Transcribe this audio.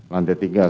lantai tiga ya mulia